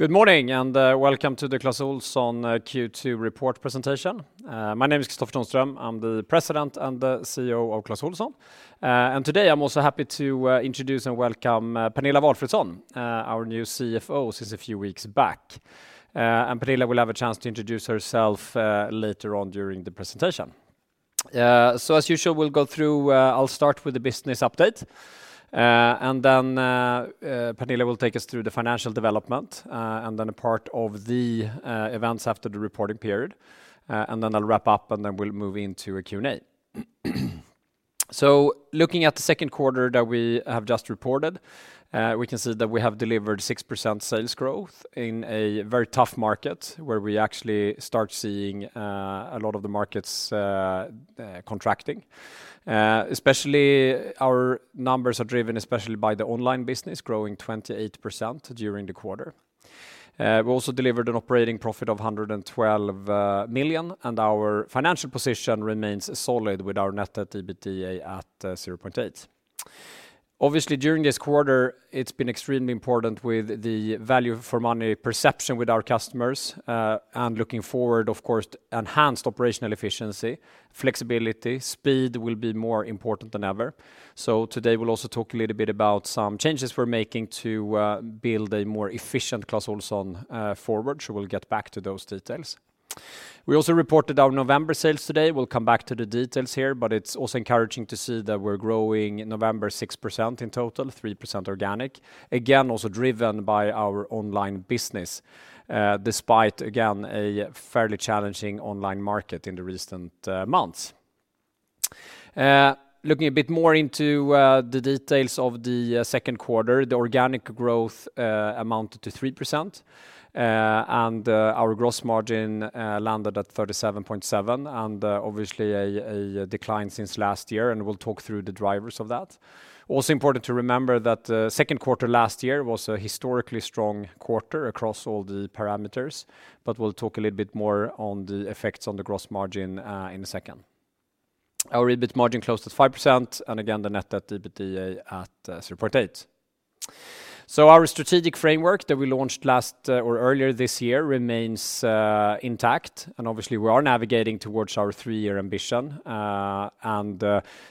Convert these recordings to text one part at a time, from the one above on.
Good morning. Welcome to the Clas Ohlson Q2 report presentation. My name is Kristofer Tonström. I'm the President and the CEO of Clas Ohlson. Today I'm also happy to introduce and welcome Pernilla Walfridsson, our new CFO since a few weeks back. Pernilla will have a chance to introduce herself later on during the presentation. As usual, we'll go through. I'll start with the business update. Then Pernilla will take us through the financial development. Then a part of the events after the reporting period. Then I'll wrap up. Then we'll move into a Q&A. Looking at the Q2 that we have just reported, we can see that we have delivered 6% sales growth in a very tough market where we actually start seeing a lot of the markets contracting. Especially our numbers are driven especially by the online business growing 28% during the quarter. We also delivered an operating profit of 112 million, and our financial position remains solid with our net debt to EBITDA at 0.8. Obviously, during this quarter, it's been extremely important with the value for money perception with our customers, and looking forward, of course, enhanced operational efficiency, flexibility, speed will be more important than ever. Today we'll also talk a little bit about some changes we're making to build a more efficient Clas Ohlson forward. We'll get back to those details. We also reported our November sales today. We'll come back to the details here, but it's also encouraging to see that we're growing November 6% in total, 3% organic. Again, also driven by our online business, despite again, a fairly challenging online market in the recent months. Looking a bit more into the details of the Q2, the organic growth amounted to 3%, and our gross margin landed at 37.7%, and obviously a decline since last year. We'll talk through the drivers of that. Important to remember that Q2 last year was a historically strong quarter across all the parameters, but we'll talk a little bit more on the effects on the gross margin in a second. Our EBIT margin closed at 5% and again, the net debt to EBITDA at 0.8. Our strategic framework that we launched last or earlier this year remains intact, and obviously we are navigating towards our 3-year ambition.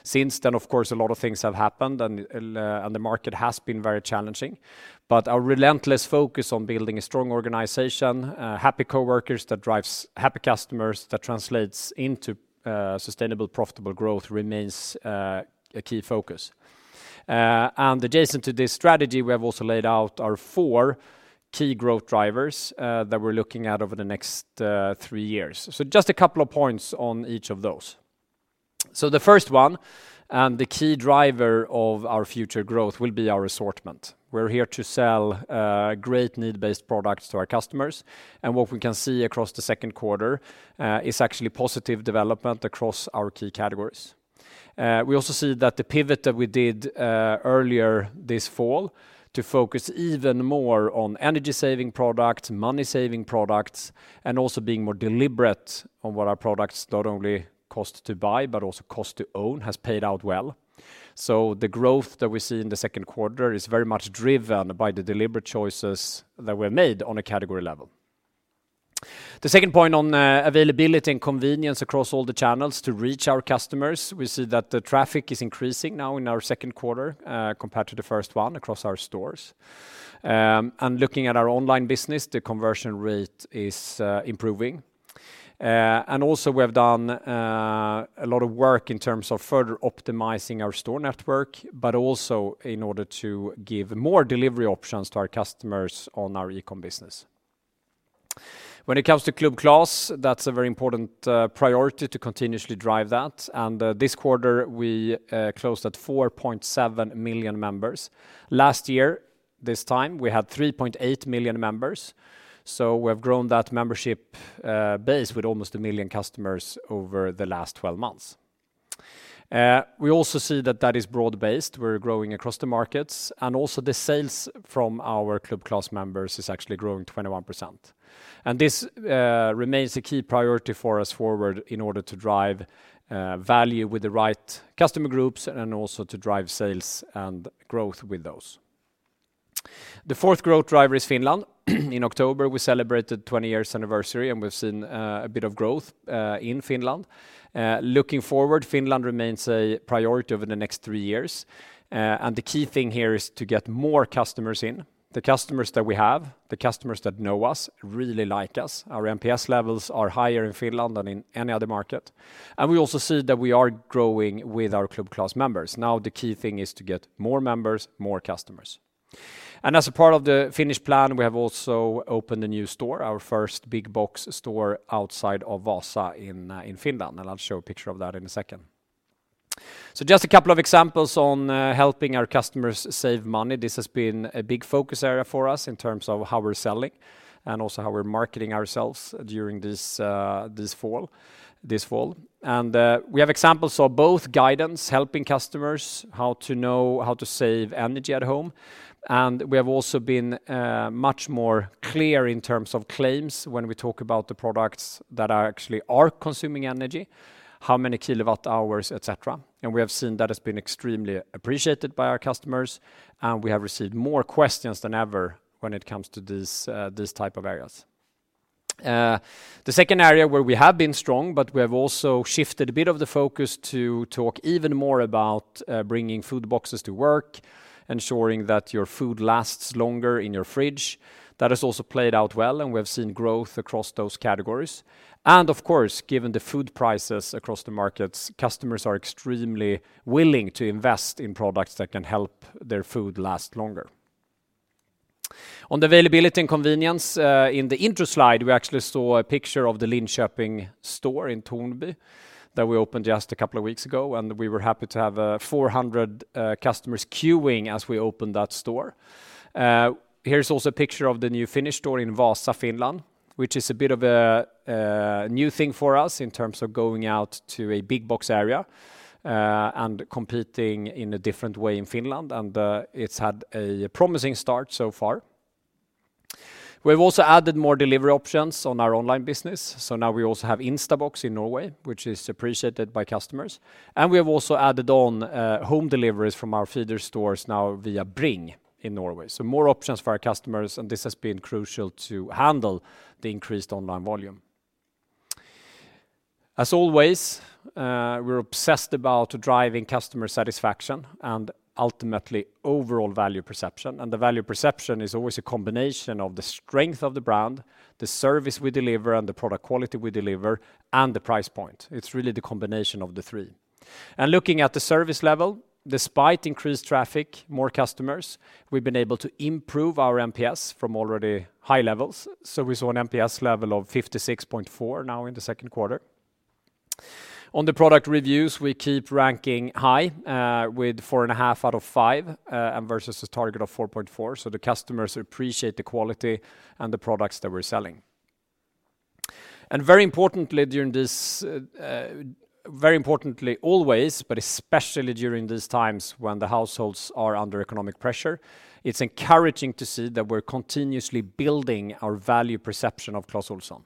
Since then, of course, a lot of things have happened and the market has been very challenging. Our relentless focus on building a strong organization, happy coworkers that drives happy customers, that translates into sustainable, profitable growth remains a key focus. Adjacent to this strategy, we have also laid out our 4 key growth drivers that we're looking at over the next three years. Just a couple of points on each of those. The 1st one and the key driver of our future growth will be our assortment. We're here to sell great need-based products to our customers. What we can see across the 2nd quarter is actually positive development across our key categories. We also see that the pivot that we did earlier this fall to focus even more on energy saving products, money saving products, and also being more deliberate on what our products not only cost to buy but also cost to own has paid out well. The growth that we see in the Q2 is very much driven by the deliberate choices that were made on a category level. The second point on, availability and convenience across all the channels to reach our customers, we see that the traffic is increasing now in our Q2, compared to the first one across our stores. Looking at our online business, the conversion rate is improving. Also we have done a lot of work in terms of further optimizing our store network, but also in order to give more delivery options to our customers on our e-com business. When it comes to Club Clas, that's a very important priority to continuously drive that. This quarter, we closed at 4.7 million members. Last year, this time, we had 3.8 million members. We have grown that membership base with almost 1 million customers over the last 12 months. We also see that that is broad-based. We're growing across the markets and also the sales from our Club Clas members is actually growing 21%. This remains a key priority for us forward in order to drive value with the right customer groups and also to drive sales and growth with those. The fourth growth driver is Finland. In October, we celebrated 20 years anniversary, and we've seen a bit of growth in Finland. Looking forward, Finland remains a priority over the next three years. The key thing here is to get more customers in. The customers that we have, the customers that know us really like us. Our NPS levels are higher in Finland than in any other market. We also see that we are growing with our Club Clas members. The key thing is to get more members, more customers. As a part of the Finnish plan, we have also opened a new store, our first big box store outside of Vaasa in Finland, and I'll show a picture of that in a second. Just a couple of examples on helping our customers save money. This has been a big focus area for us in terms of how we're selling and also how we're marketing ourselves during this fall. We have examples of both guidance, helping customers how to know how to save energy at home. We have also been much more clear in terms of claims when we talk about the products that are actually are consuming energy, how many kilowatt hours, et cetera. We have seen that has been extremely appreciated by our customers, and we have received more questions than ever when it comes to these type of areas. The second area where we have been strong but we have also shifted a bit of the focus to talk even more about bringing food boxes to work, ensuring that your food lasts longer in your fridge. That has also played out well, and we have seen growth across those categories. Of course, given the food prices across the markets, customers are extremely willing to invest in products that can help their food last longer. On the availability and convenience, in the intro slide, we actually saw a picture of the Linköping store in Tornby that we opened just a couple of weeks ago. We were happy to have 400 customers queuing as we opened that store. Here's also a picture of the new Finnish store in Vaasa, Finland, which is a bit of a new thing for us in terms of going out to a big box area and competing in a different way in Finland, and it's had a promising start so far. We've also added more delivery options on our online business, so now we also have Instabox in Norway, which is appreciated by customers. We have also added on home deliveries from our feeder stores now via Bring in Norway. More options for our customers, and this has been crucial to handle the increased online volume. As always, we're obsessed about driving customer satisfaction and ultimately overall value perception. The value perception is always a combination of the strength of the brand, the service we deliver and the product quality we deliver and the price point. It's really the combination of the three. Looking at the service level, despite increased traffic, more customers, we've been able to improve our NPS from already high levels. We saw an NPS level of 56.4 now in the Q2. On the product reviews, we keep ranking high, with 4.5 out of 5, and versus a target of 4.4. The customers appreciate the quality and the products that we're selling. Very importantly during this, very importantly always, but especially during these times when the households are under economic pressure, it's encouraging to see that we're continuously building our value perception of Clas Ohlson.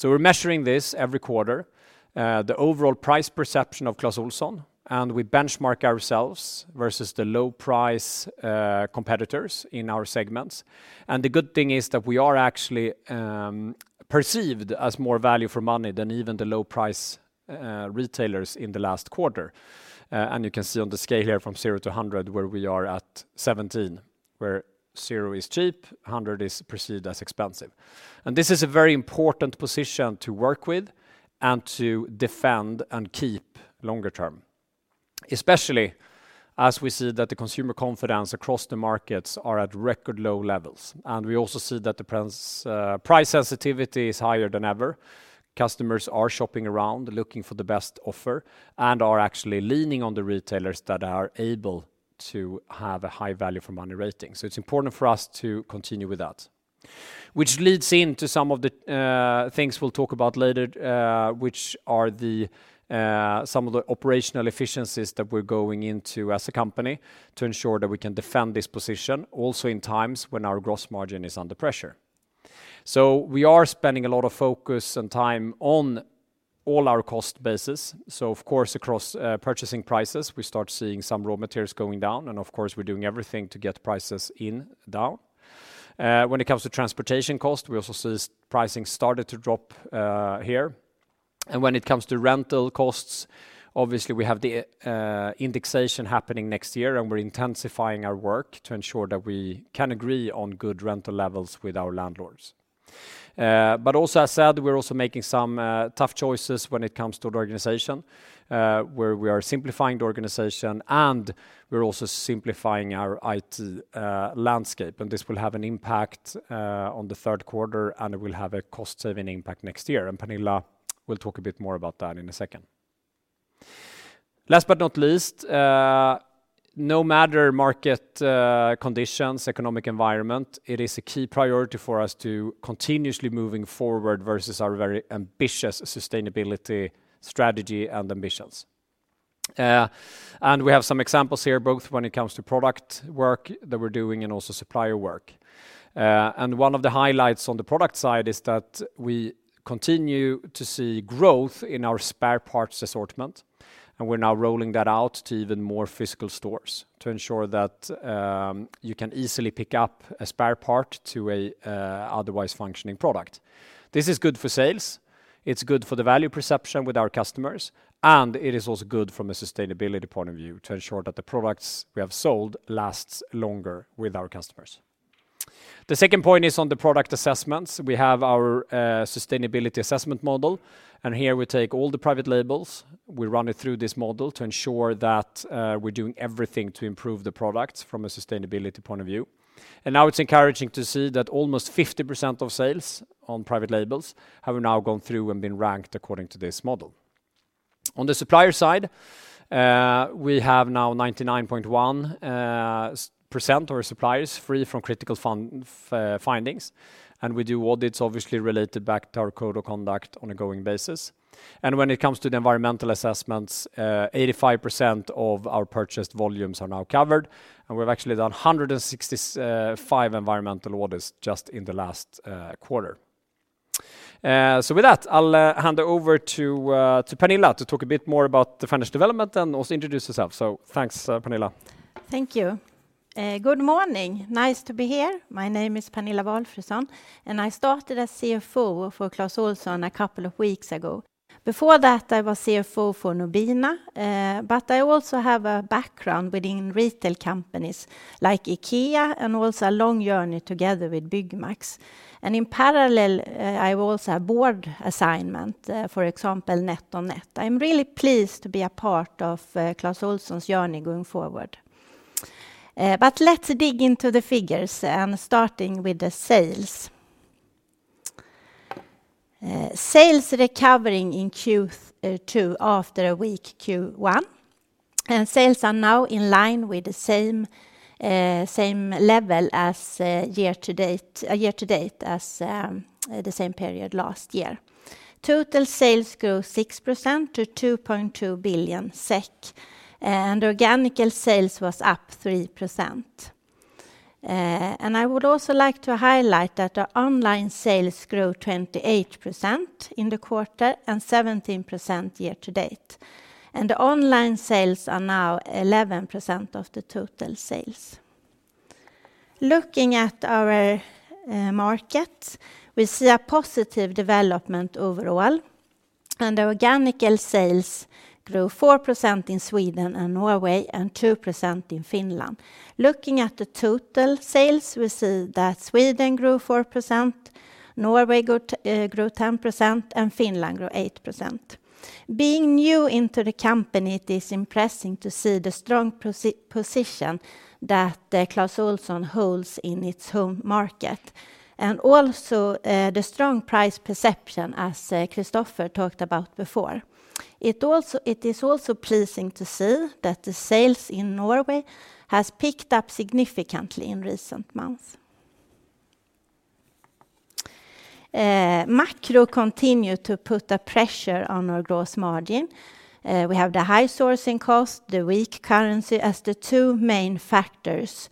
We're measuring this every quarter, the overall price perception of Clas Ohlson, and we benchmark ourselves versus the low price competitors in our segments. The good thing is that we are actually perceived as more value for money than even the low price retailers in the last quarter. You can see on the scale here from zero to 100 where we are at 17, where zero is cheap, 100 is perceived as expensive. This is a very important position to work with and to defend and keep longer term, especially as we see that the consumer confidence across the markets are at record low levels. We also see that the price sensitivity is higher than ever. Customers are shopping around looking for the best offer and are actually leaning on the retailers that are able to have a high value for money rating. It's important for us to continue with that. Which leads into some of the things we'll talk about later, which are the some of the operational efficiencies that we're going into as a company to ensure that we can defend this position also in times when our gross margin is under pressure. We are spending a lot of focus and time on all our cost basis. Of course, across purchasing prices, we start seeing some raw materials going down, and of course, we're doing everything to get prices in down. When it comes to transportation cost, we also see pricing started to drop here. When it comes to rental costs, obviously, we have the indexation happening next year, and we're intensifying our work to ensure that we can agree on good rental levels with our landlords. But also as said, we're also making some tough choices when it comes to the organization, where we are simplifying the organization and we're also simplifying our IT landscape. This will have an impact on the Q3, and it will have a cost-saving impact next year. Pernilla will talk a bit more about that in a second. Last but not least, no matter market conditions, economic environment, it is a key priority for us to continuously moving forward versus our very ambitious sustainability strategy and ambitions. We have some examples here, both when it comes to product work that we're doing and also supplier work. One of the highlights on the product side is that we continue to see growth in our spare parts assortment, and we're now rolling that out to even more physical stores to ensure that you can easily pick up a spare part to a otherwise functioning product. This is good for sales, it's good for the value perception with our customers, and it is also good from a sustainability point of view to ensure that the products we have sold lasts longer with our customers. The second point is on the product assessments. We have our sustainability assessment model, and here we take all the private labels. We run it through this model to ensure that we're doing everything to improve the products from a sustainability point of view. Now it's encouraging to see that almost 50% of sales on private labels have now gone through and been ranked according to this model. On the supplier side, we have now 99.1% of our suppliers free from critical fund findings. We do audits obviously related back to our code of conduct on a going basis. When it comes to the environmental assessments, 85% of our purchased volumes are now covered, and we've actually done 165 environmental audits just in the last quarter. So with that, I'll hand over to Pernilla to talk a bit more about the finished development and also introduce herself. Thanks, Pernilla. Thank you. Good morning. Nice to be here. My name is Pernilla Walfridsson, and I started as CFO for Nobina a couple of weeks ago. Before that, I was CFO for Nobina, but I also have a background within retail companies like IKEA and also a long journey together with Byggmax. In parallel, I also have board assignment, for example, NetOnNet. I'm really pleased to be a part of Clas Ohlson's journey going forward. Let's dig into the figures and starting with the sales. Sales recovering in Q2 after a weak Q1, and sales are now in line with the same level as year to date as the same period last year. Total sales grew 6% to 2.2 billion SEK, and organic sales was up 3%. I would also like to highlight that our online sales grew 28% in the quarter and 17% year to date, and online sales are now 11% of the total sales. Looking at our market, we see a positive development overall, organic sales grew 4% in Sweden and Norway and 2% in Finland. Looking at the total sales, we see that Sweden grew 4%, Norway grew 10%, and Finland grew 8%. Being new into the company, it is impressing to see the strong position that Clas Ohlson holds in its home market and also the strong price perception, as Kristofer Tonström talked about before. It is also pleasing to see that the sales in Norway has picked up significantly in recent months. Macro continued to put a pressure on our gross margin. We have the high sourcing cost, the weak currency as the two main factors,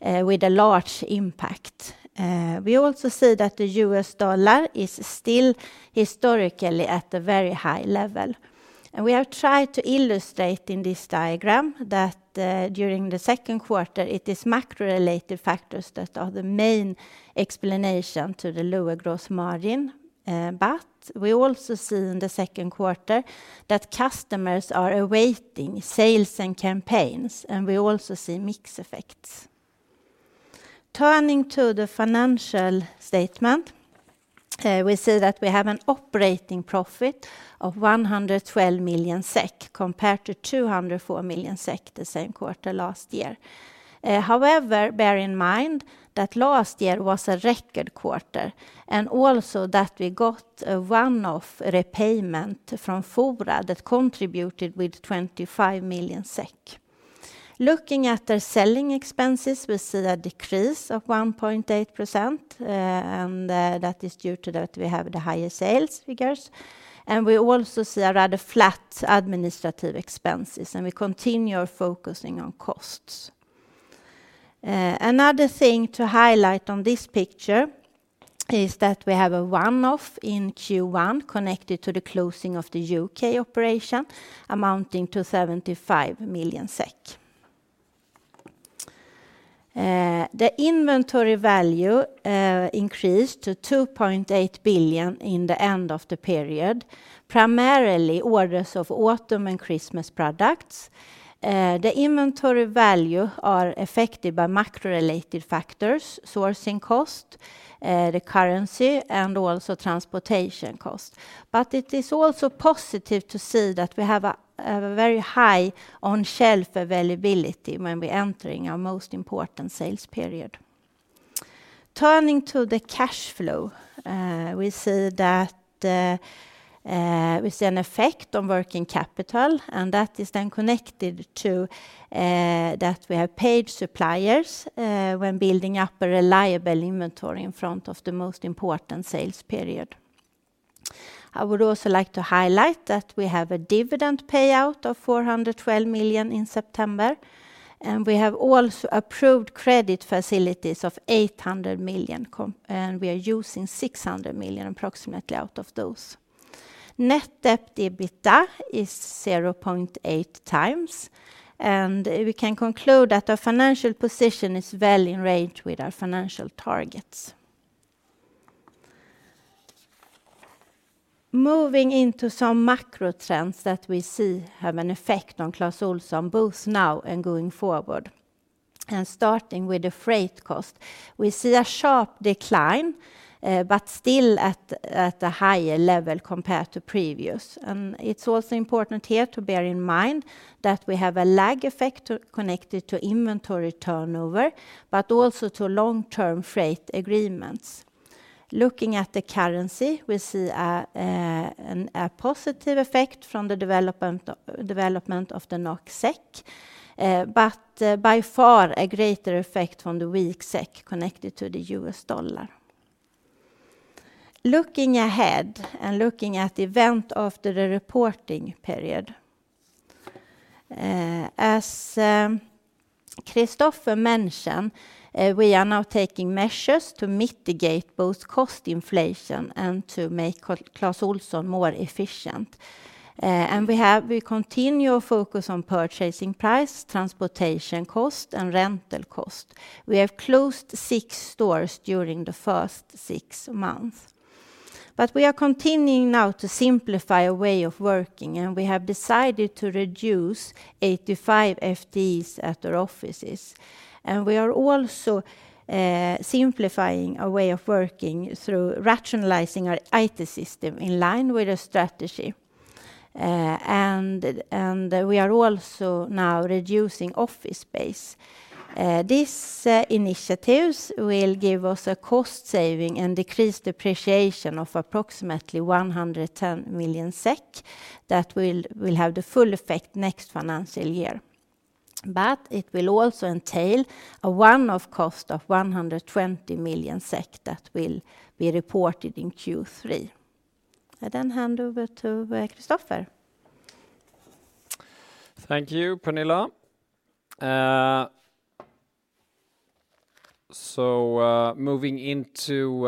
with a large impact. We also see that the US dollar is still historically at a very high level. We have tried to illustrate in this diagram that, during the Q2, it is macro-related factors that are the main explanation to the lower gross margin. We also see in the Q2 that customers are awaiting sales and campaigns, and we also see mix effects. Turning to the financial statement, we see that we have an operating profit of 112 million SEK compared to 204 million SEK the same quarter last year. However, bear in mind that last year was a record quarter and also that we got a one-off repayment from Fora that contributed with 25 million SEK. Looking at the selling expenses, we see a decrease of 1.8%, and that is due to that we have the higher sales figures. We also see a rather flat administrative expenses, and we continue focusing on costs. Another thing to highlight on this picture is that we have a one-off in Q1 connected to the closing of the UK operation amounting to SEK 75 million. The inventory value increased to 2.8 billion in the end of the period, primarily orders of autumn and Christmas products. The inventory value are affected by macro-related factors, sourcing cost, the currency and also transportation cost. It is also positive to see that we have a very high on shelf availability when we entering our most important sales period. Turning to the cash flow, we see that we see an effect on working capital. That is then connected to that we have paid suppliers when building up a reliable inventory in front of the most important sales period. I would also like to highlight that we have a dividend payout of 412 million in September. We have also approved credit facilities of 800 million and we are using 600 million approximately out of those. Net debt to EBITDA is 0.8 times. We can conclude that our financial position is well in range with our financial targets. Moving into some macro trends that we see have an effect on Clas Ohlson both now and going forward. Starting with the freight cost, we see a sharp decline, but still at a higher level compared to previous. It's also important here to bear in mind that we have a lag effect connected to inventory turnover, but also to long-term freight agreements. Looking at the currency, we see a positive effect from the development of the NOK/SEK, but by far, a greater effect from the weak SEK connected to the US dollar. Looking ahead and looking at event after the reporting period, as Kristofer mentioned, we are now taking measures to mitigate both cost inflation and to make Clas Ohlson more efficient. We continue our focus on purchasing price, transportation cost, and rental cost. We have closed 6 stores during the first 6 months. We are continuing now to simplify our way of working, and we have decided to reduce 85 FTEs at our offices. We are also simplifying our way of working through rationalizing our IT system in line with our strategy. We are also now reducing office space. These initiatives will give us a cost saving and decreased depreciation of approximately 110 million SEK that will have the full effect next financial year. It will also entail a one-off cost of 120 million SEK that will be reported in Q3. I hand over to Kristofer. Thank you, Pernilla. Moving into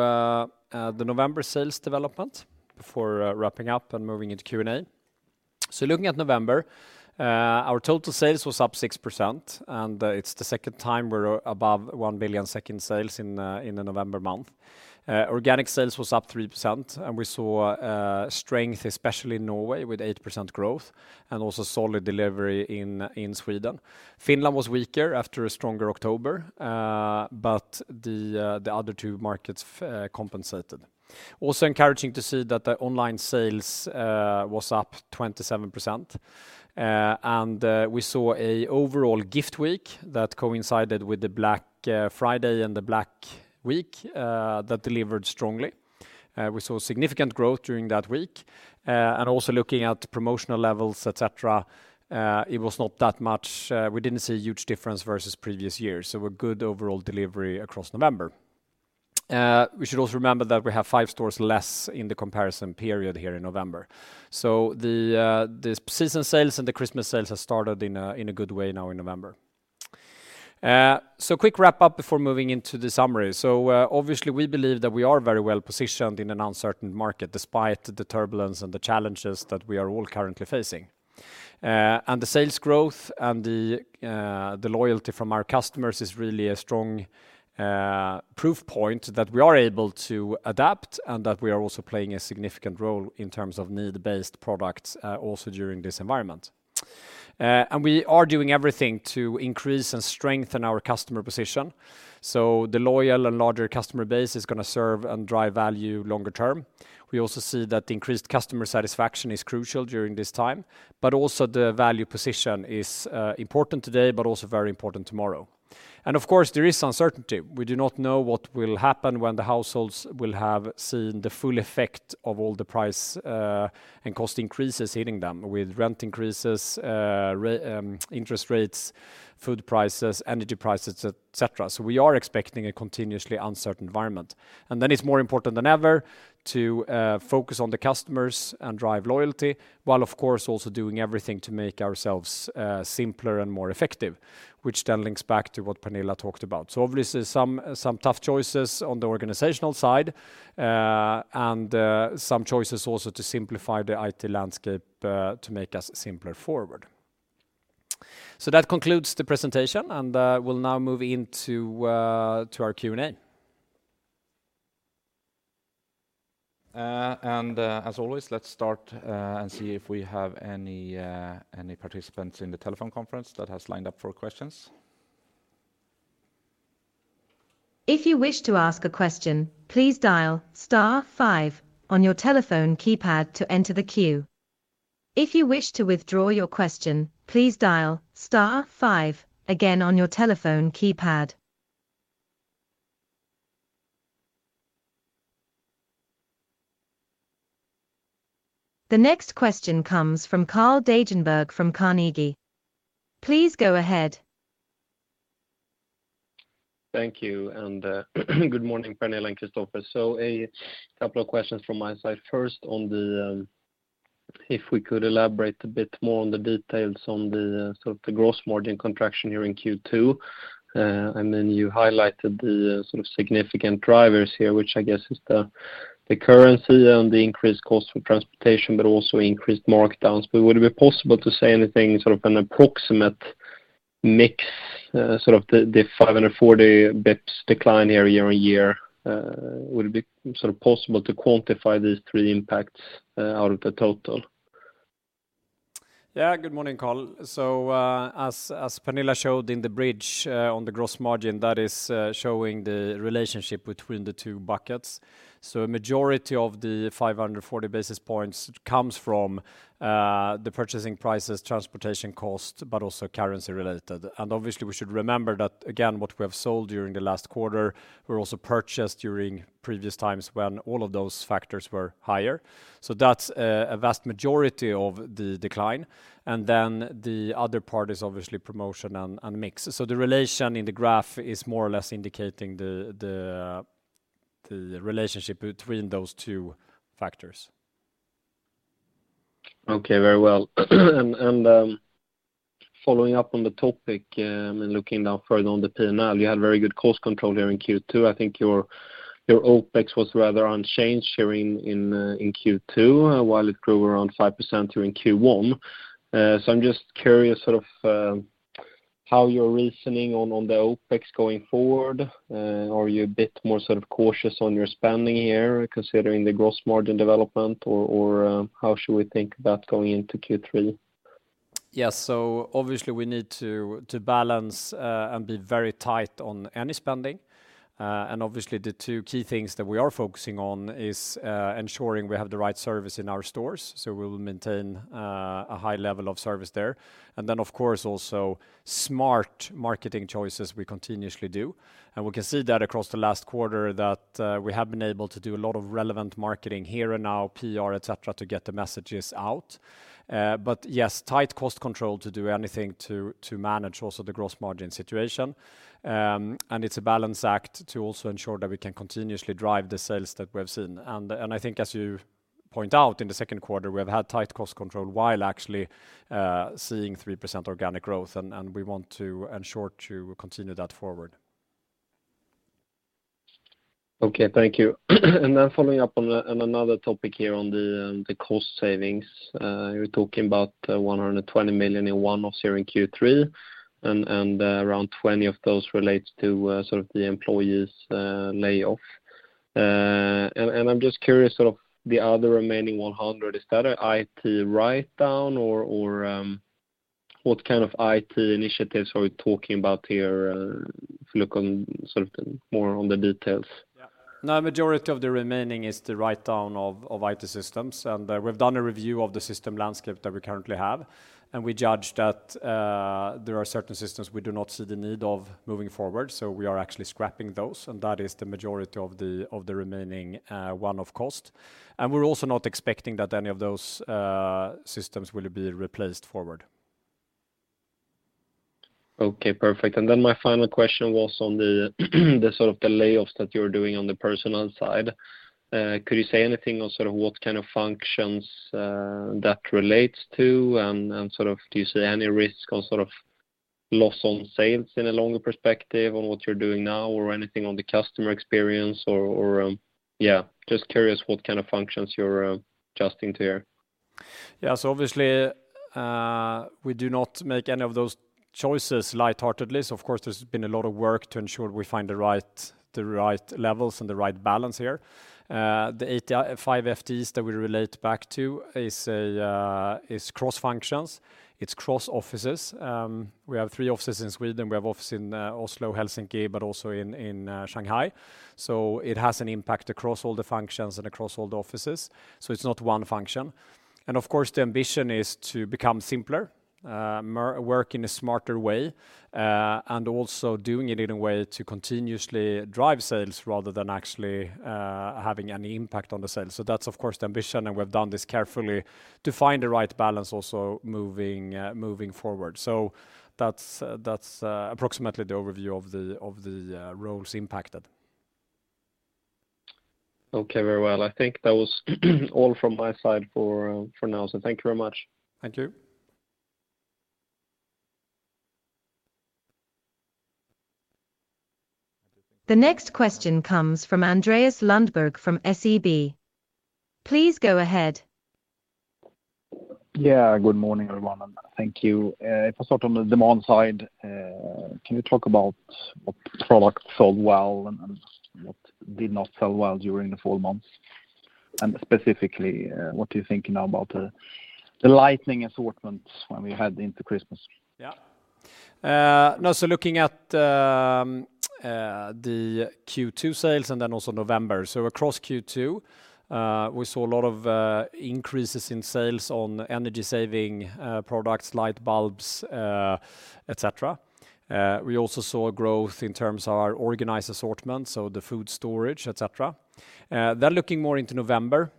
the November sales development before wrapping up and moving into Q&A. Looking at November, our total sales was up 6%. It's the second time we're above 1 billion in sales in the November month. Organic sales was up 3%, and we saw strength, especially in Norway with 8% growth and also solid delivery in Sweden. Finland was weaker after a stronger October, but the other two markets compensated. Also encouraging to see that the online sales was up 27%. We saw a overall gift week that coincided with Black Friday and Black Week that delivered strongly. We saw significant growth during that week. Also looking at promotional levels, et cetera, it was not that much. We didn't see a huge difference versus previous years, a good overall delivery across November. We should also remember that we have 5 stores less in the comparison period here in November. The season sales and the Christmas sales have started in a good way now in November. Quick wrap-up before moving into the summary. Obviously we believe that we are very well positioned in an uncertain market despite the turbulence and the challenges that we are all currently facing. The sales growth and the loyalty from our customers is really a strong proof point that we are able to adapt and that we are also playing a significant role in terms of need-based products, also during this environment. We are doing everything to increase and strengthen our customer position, so the loyal and larger customer base is gonna serve and drive value longer term. We also see that increased customer satisfaction is crucial during this time, but also the value position is important today, but also very important tomorrow. Of course, there is uncertainty. We do not know what will happen when the households will have seen the full effect of all the price and cost increases hitting them with rent increases, interest rates, food prices, energy prices, et cetera. We are expecting a continuously uncertain environment. It's more important than ever to focus on the customers and drive loyalty, while of course also doing everything to make ourselves simpler and more effective, which then links back to what Pernilla talked about. Obviously some tough choices on the organizational side, and some choices also to simplify the IT landscape to make us simpler forward. That concludes the presentation, and we'll now move into our Q&A. And as always, let's start and see if we have any participants in the telephone conference that has lined up for questions. If you wish to ask a question, please dial star five on your telephone keypad to enter the queue. If you wish to withdraw your question, please dial star five again on your telephone keypad. The next question comes from Carl Deijenberg from Carnegie. Please go ahead. Thank you. Good morning, Pernilla and Kristofer. A couple of questions from my side. First, on the, if we could elaborate a bit more on the details on the sort of the gross margin contraction here in Q2. You highlighted the sort of significant drivers here, which I guess is the currency and the increased cost for transportation, but also increased markdowns. Would it be possible to say anything, sort of an approximate mix, sort of the 540 bips decline year-on-year? Would it be sort of possible to quantify these three impacts out of the total? Good morning, Carl. As Pernilla showed in the bridge, on the gross margin, that is showing the relationship between the two buckets. A majority of the 540 basis points comes from the purchasing prices, transportation cost, but also currency related. Obviously, we should remember that again, what we have sold during the last quarter were also purchased during previous times when all of those factors were higher. That's a vast majority of the decline. Then the other part is obviously promotion and mix. The relation in the graph is more or less indicating the relationship between those two factors. Okay, very well. Following up on the topic, and looking now further on the P&L, you had very good cost control during Q2. I think your OPEX was rather unchanged during in Q2 while it grew around 5% during Q1. I'm just curious sort of, how you're reasoning on the OPEX going forward. Are you a bit more sort of cautious on your spending here considering the gross margin development or how should we think about going into Q3? Obviously we need to balance and be very tight on any spending. Obviously the two key things that we are focusing on is ensuring we have the right service in our stores, so we'll maintain a high level of service there. Then of course also smart marketing choices we continuously do. We can see that across the last quarter that we have been able to do a lot of relevant marketing here in our PR, et cetera, to get the messages out. But yes, tight cost control to do anything to manage also the gross margin situation. It's a balance act to also ensure that we can continuously drive the sales that we've seen. I think as you point out in the Q2, we have had tight cost control while actually seeing 3% organic growth and we want to ensure to continue that forward. Okay. Thank you. Following up on another topic here on the cost savings. You're talking about 120 million in one of during Q3. Around 20 of those relates to sort of the employees layoff. I'm just curious sort of the other remaining 100 million, is that a IT write down or what kind of IT initiatives are we talking about here, if you look on sort of more on the details? Yeah. No, majority of the remaining is the write down of IT systems. We've done a review of the system landscape that we currently have, and we judge that there are certain systems we do not see the need of moving forward, so we are actually scrapping those, and that is the majority of the, of the remaining one-off cost. We're also not expecting that any of those systems will be replaced forward. Okay, perfect. My final question was on the sort of the layoffs that you're doing on the personal side. Could you say anything on sort of what kind of functions that relates to? Sort of do you see any risk or sort of loss on sales in a longer perspective on what you're doing now or anything on the customer experience or just curious what kind of functions you're adjusting to? Yeah. Obviously, we do not make any of those choices lightheartedly. Of course, there's been a lot of work to ensure we find the right, the right levels and the right balance here. The 85 FTEs that we relate back to is a cross functions. It's cross offices. We have three offices in Sweden. We have office in Oslo, Helsinki, but also in Shanghai. It has an impact across all the functions and across all the offices, so it's not one function. Of course, the ambition is to become simpler, work in a smarter way, and also doing it in a way to continuously drive sales rather than actually having any impact on the sales. That's of course the ambition, and we've done this carefully to find the right balance also moving forward. That's approximately the overview of the roles impacted. Okay. Very well. I think that was all from my side for now. Thank you very much. Thank you. The next question comes from Andreas Lundberg from SEB. Please go ahead. Good morning, everyone, and thank you. If I start on the demand side, can you talk about what products sold well and what did not sell well during the four months? Specifically, what are you thinking now about the lightning assortments when we head into Christmas? No, looking at the Q2 sales and then also November. Across Q2, we saw a lot of increases in sales on energy-saving products, light bulbs, et cetera. We also saw growth in terms of our organized assortment, so the food storage, et cetera. Looking more into November.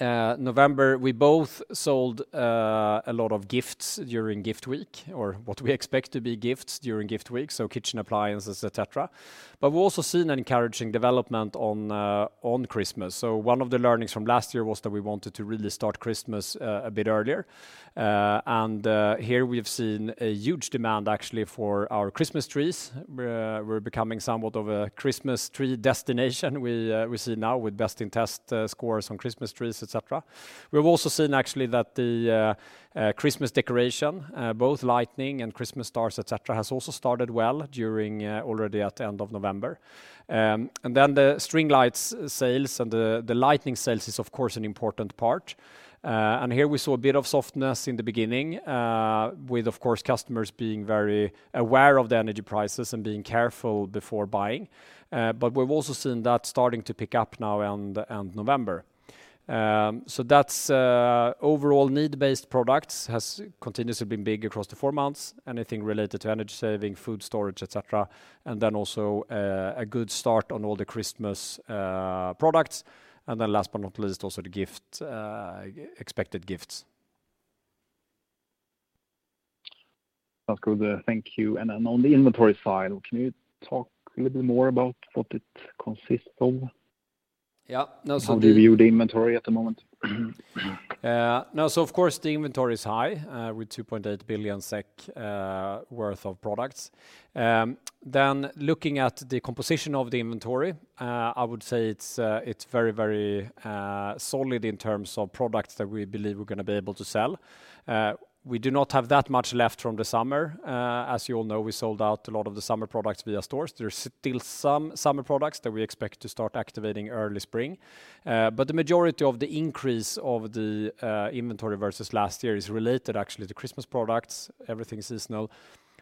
November, we both sold a lot of gifts during gift week or what we expect to be gifts during gift week, so kitchen appliances, et cetera. We've also seen an encouraging development on Christmas. One of the learnings from last year was that we wanted to really start Christmas a bit earlier. Here we've seen a huge demand actually for our Christmas trees. We're becoming somewhat of a Christmas tree destination. We see now with best-in-test scores on Christmas trees, et cetera. We've also seen actually that the Christmas decoration, both lighting and Christmas stars, et cetera, has also started well during already at the end of November. The string lights sales and the lighting sales is of course an important part. Here we saw a bit of softness in the beginning, with of course customers being very aware of the energy prices and being careful before buying. We've also seen that starting to pick up now in November. That's overall need-based products has continuously been big across the four months, anything related to energy saving, food storage, et cetera. Also a good start on all the Christmas products. Last but not least, also the gift, expected gifts. That's good. Thank you. On the inventory side, can you talk a little bit more about what it consists of? Yeah, no. How do you view the inventory at the moment? Of course, the inventory is high with 2.8 billion SEK worth of products. Looking at the composition of the inventory, I would say it's very, very solid in terms of products that we believe we're gonna be able to sell. We do not have that much left from the summer. As you all know, we sold out a lot of the summer products via stores. There's still some summer products that we expect to start activating early spring. The majority of the increase of the inventory versus last year is related actually to Christmas products, everything seasonal,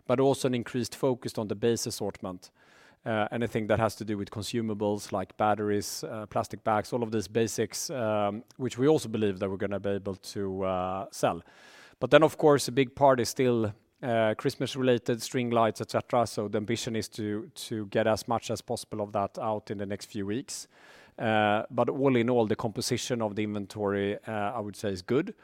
but also an increased focus on the base assortment, anything that has to do with consumables like batteries, plastic bags, all of these basics, which we also believe that we're gonna be able to sell. Then, of course, a big part is still Christmas-related string lights, et cetera. The ambition is to get as much as possible of that out in the next few weeks. All in all, the composition of the inventory, I would say is good.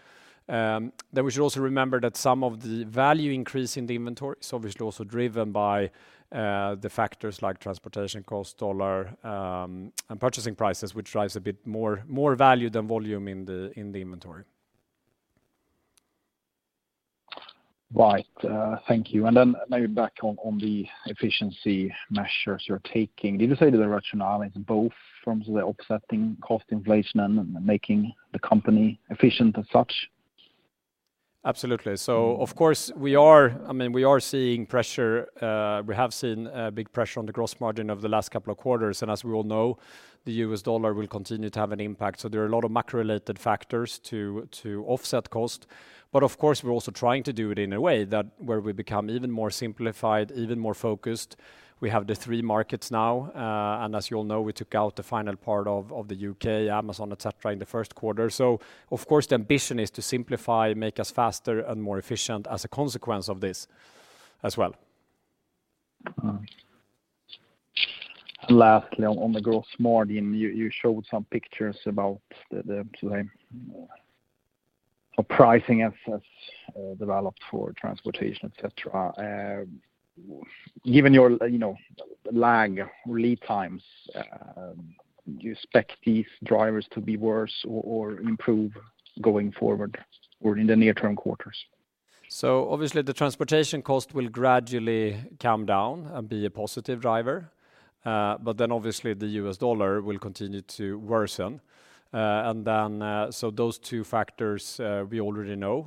We should also remember that some of the value increase in the inventory is obviously also driven by the factors like transportation cost, dollar, and purchasing prices, which drives a bit more value than volume in the inventory. Right. Thank you. Maybe back on the efficiency measures you're taking. Did you say the rationale is both from the offsetting cost inflation and making the company efficient as such? Absolutely. Of course, I mean, we are seeing pressure. We have seen a big pressure on the gross margin over the last couple of quarters. As we all know, the US dollar will continue to have an impact. There are a lot of macro-related factors to offset cost. Of course, we're also trying to do it in a way that where we become even more simplified, even more focused. We have the three markets now. As you all know, we took out the final part of the U.K., Amazon, et cetera, in the Q1. Of course, the ambition is to simplify, make us faster and more efficient as a consequence of this as well. Lastly, on the gross margin, you showed some pictures about the pricing as developed for transportation, et cetera. Given your, you know, lag or lead times, do you expect these drivers to be worse or improve going forward or in the near term quarters? Obviously the transportation cost will gradually come down and be a positive driver. Obviously the US dollar will continue to worsen. Those two factors we already know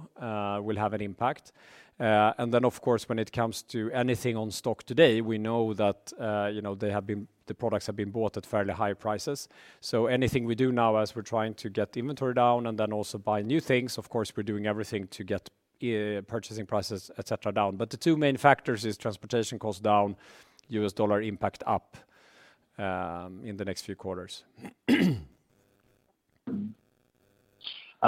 will have an impact. Of course, when it comes to anything on stock today, we know that, you know, the products have been bought at fairly high prices. Anything we do now as we're trying to get the inventory down and then also buy new things, of course, we're doing everything to get purchasing prices, et cetera, down. The two main factors is transportation costs down, US dollar impact up, in the next few quarters.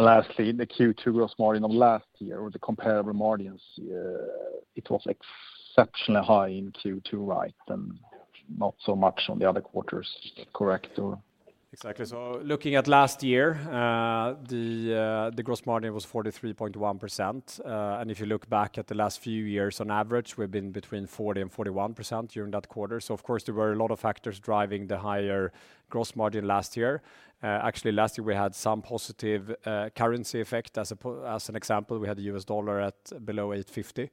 Lastly, in the Q2 gross margin of last year or the comparable margins, it was exceptionally high in Q2, right? Not so much on the other quarters. Correct, or? Exactly. Looking at last year, the gross margin was 43.1%. If you look back at the last few years, on average, we've been between 40% and 41% during that quarter. Of course, there were a lot of factors driving the higher gross margin last year. Actually, last year, we had some positive currency effect. As an example, we had the US dollar at below 8.50.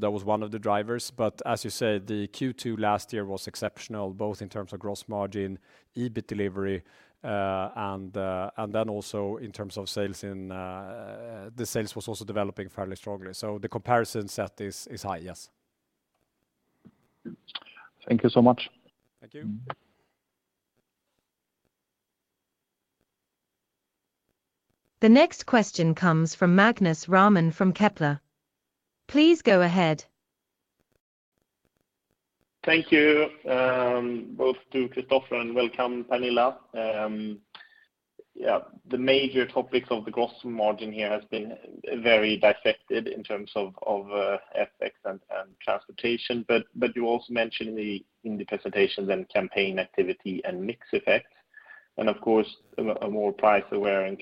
That was one of the drivers. As you said, the Q2 last year was exceptional, both in terms of gross margin, EBIT delivery, and then also in terms of sales in... the sales was also developing fairly strongly. The comparison set is high, yes. Thank you so much. Thank you. The next question comes from Magnus Råman from Kepler. Please go ahead. Thank you, both to Kristofer, and welcome, Pernilla. Yeah, the major topics of the gross margin here has been very affected in terms of FX and transportation. You also mentioned in the presentations and campaign activity and mix effect. Of course, a more price-aware and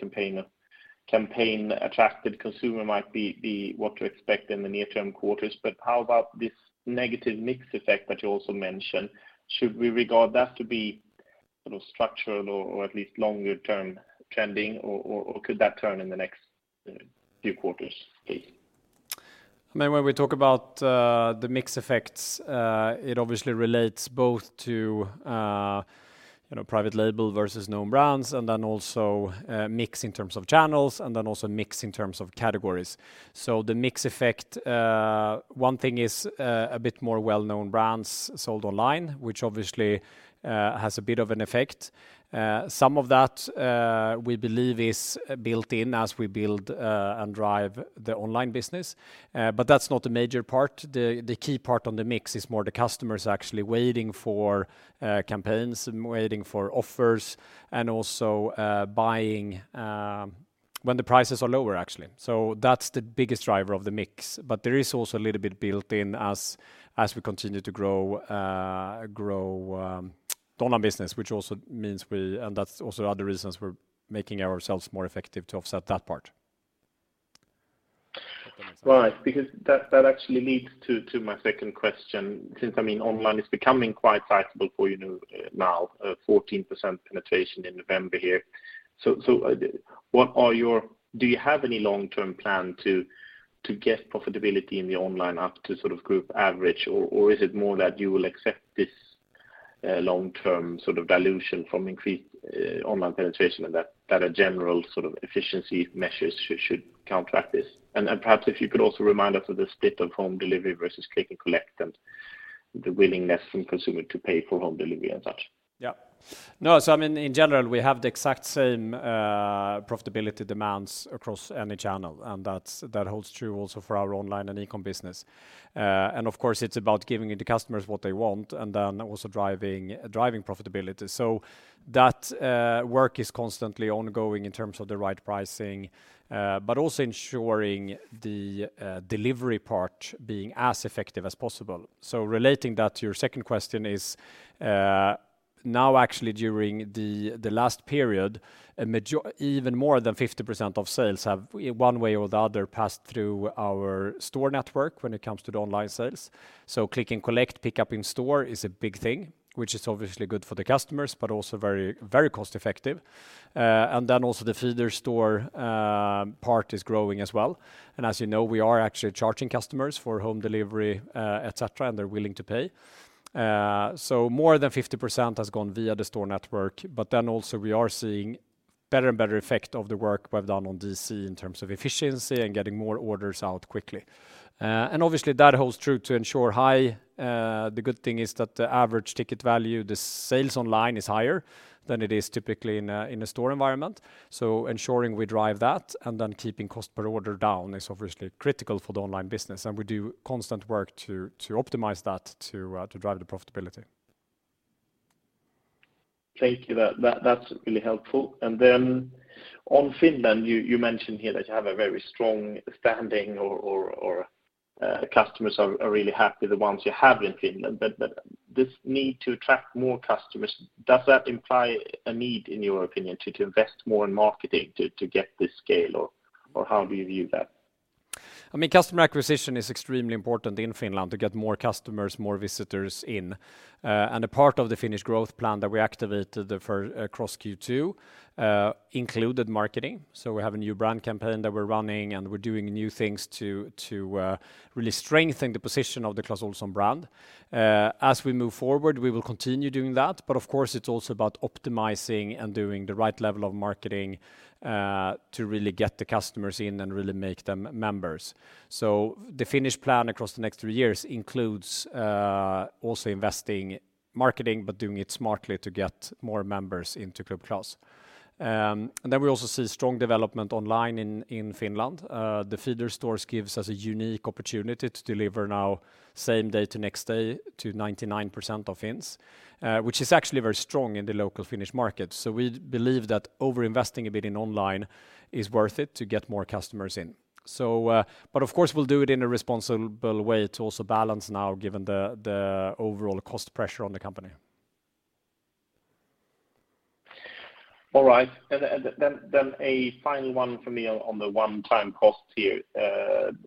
campaign-attracted consumer might be what to expect in the near term quarters. How about this negative mix effect that you also mentioned? Should we regard that to be structural or at least longer-term trending, or could that turn in the next few quarters, please? I mean, when we talk about the mix effects, it obviously relates both to, you know, private label versus known brands, and then also mix in terms of channels, and then also mix in terms of categories. The mix effect, one thing is a bit more well-known brands sold online, which obviously has a bit of an effect. Some of that, we believe is built in as we build and drive the online business. That's not a major part. The, the key part on the mix is more the customers actually waiting for campaigns and waiting for offers and also buying when the prices are lower, actually. That's the biggest driver of the mix. There is also a little bit built in as we continue to grow online business, which also means and that's also other reasons we're making ourselves more effective to offset that part. Right. Because that actually leads to my second question. Since, I mean, online is becoming quite sizable for you now, 14% penetration in November here. Do you have any long-term plan to get profitability in the online up to sort of group average? Or is it more that you will accept this long-term sort of dilution from increased online penetration and that a general sort of efficiency measures should counteract this? Perhaps if you could also remind us of the split of home delivery versus click and collect and the willingness from consumer to pay for home delivery and such? Yeah. No. I mean, in general, we have the exact same profitability demands across any channel, and that holds true also for our online and e-com business. Of course, it's about giving the customers what they want and then also driving profitability. That work is constantly ongoing in terms of the right pricing, but also ensuring the delivery part being as effective as possible. Relating that to your second question is now actually during the last period, even more than 50% of sales have, one way or the other, passed through our store network when it comes to the online sales. Click and collect, pick up in store is a big thing, which is obviously good for the customers, but also very cost-effective. Then also the feeder store part is growing as well. As you know, we are actually charging customers for home delivery, et cetera, and they're willing to pay. More than 50% has gone via the store network. Then also we are seeing better and better effect of the work we've done on DC in terms of efficiency and getting more orders out quickly. Obviously, that holds true to ensure high. The good thing is that the average ticket value, the sales online is higher than it is typically in a, in a store environment. Ensuring we drive that and then keeping cost per order down is obviously critical for the online business. We do constant work to optimize that, to drive the profitability. Thank you. That's really helpful. Then on Finland, you mentioned here that you have a very strong standing or customers are really happy, the ones you have in Finland. This need to attract more customers, does that imply a need, in your opinion, to invest more in marketing to get this scale, or how do you view that? I mean, customer acquisition is extremely important in Finland to get more customers, more visitors in. A part of the Finnish growth plan that we activated for across Q2 included marketing. We have a new brand campaign that we're running, and we're doing new things to really strengthen the position of the Clas Ohlson brand. As we move forward, we will continue doing that. Of course, it's also about optimizing and doing the right level of marketing to really get the customers in and really make them members. The Finnish plan across the next three years includes also investing marketing, but doing it smartly to get more members into Club Clas. We also see strong development online in Finland. The feeder stores gives us a unique opportunity to deliver now same day to next day to 99% of Finns, which is actually very strong in the local Finnish market. We believe that over-investing a bit in online is worth it to get more customers in. But of course, we'll do it in a responsible way to also balance now given the overall cost pressure on the company. All right. Then a final one for me on the one-time cost here.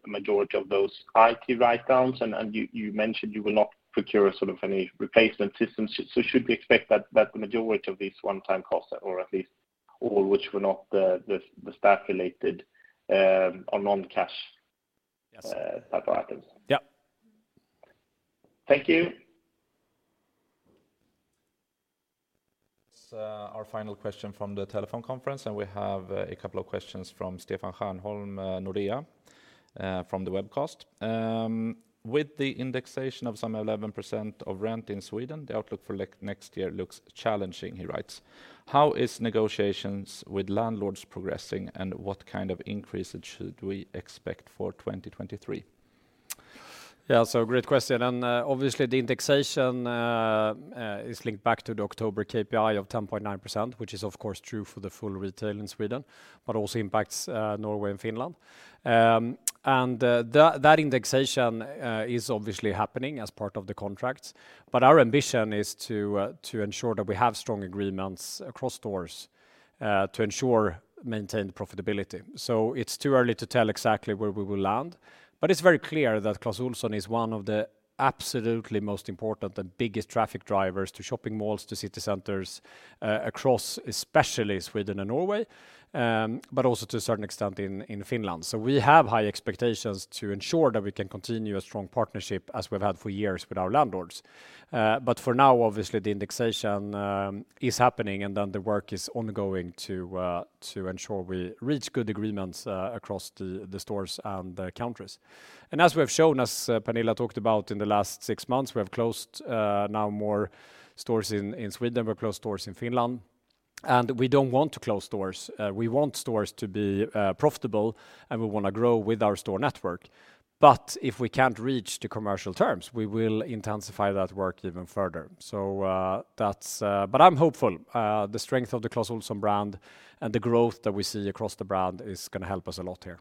Majority of those IT write-downs, and you mentioned you will not procure sort of any replacement systems. Should we expect that the majority of these one-time costs, or at least all which were not the stock related, are non-cash? Yes. type of items? Yep. Thank you. It's our final question from the telephone conference. We have a couple of questions from Stefan Svanberg, Nordea, from the webcast. With the indexation of some 11% of rent in Sweden, the outlook for next year looks challenging, he writes. How is negotiations with landlords progressing, and what kind of increases should we expect for 2023? Yeah. Great question. Obviously, the indexation is linked back to the October KPI of 10.9%, which is of course true for the full retail in Sweden, but also impacts Norway and Finland. That indexation is obviously happening as part of the contracts. Our ambition is to ensure that we have strong agreements across stores to ensure maintained profitability. It's too early to tell exactly where we will land. It's very clear that Clas Ohlson is one of the absolutely most important and biggest traffic drivers to shopping malls, to city centers, across especially Sweden and Norway, but also to a certain extent in Finland. We have high expectations to ensure that we can continue a strong partnership as we've had for years with our landlords. For now, obviously the indexation is happening, the work is ongoing to ensure we reach good agreements across the stores and the countries. As we have shown, as Pernilla talked about in the last six months, we have closed now more stores in Sweden. We've closed stores in Finland. We don't want to close stores. We want stores to be profitable, and we wanna grow with our store network. If we can't reach the commercial terms, we will intensify that work even further. That's. I'm hopeful, the strength of the Clas Ohlson brand and the growth that we see across the brand is gonna help us a lot here.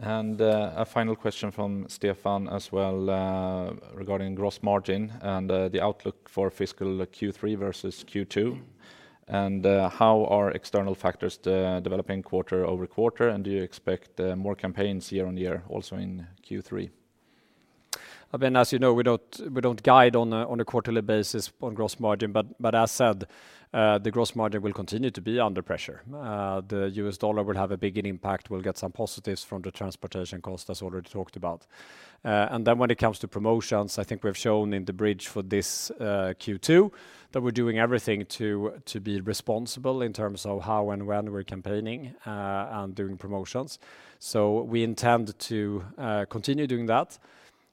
A final question from Stefan as well, regarding gross margin and the outlook for fiscal Q3 versus Q2. How are external factors developing quarter-over-quarter, and do you expect more campaigns year-on-year also in Q3? I mean, as you know, we don't guide on a quarterly basis on gross margin, but as said, the gross margin will continue to be under pressure. The US dollar will have a big impact. We'll get some positives from the transportation cost as already talked about. When it comes to promotions, I think we've shown in the bridge for this Q two that we're doing everything to be responsible in terms of how and when we're campaigning and doing promotions. We intend to continue doing that.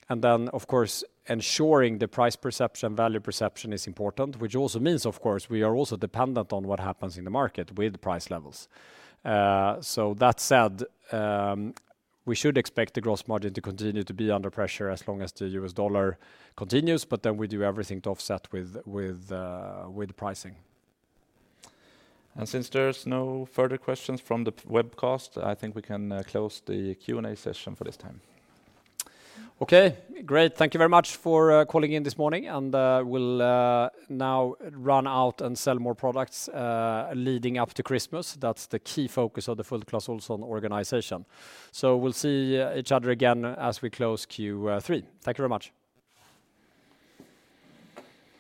Of course, ensuring the price perception, value perception is important, which also means, of course, we are also dependent on what happens in the market with price levels. That said, we should expect the gross margin to continue to be under pressure as long as the US dollar continues, we do everything to offset with pricing. Since there's no further questions from the webcast, I think we can close the Q&A session for this time. Okay, great. Thank you very much for calling in this morning. We'll now run out and sell more products leading up to Christmas. That's the key focus of the full Clas Ohlson organization. We'll see each other again as we close Q3. Thank you very much.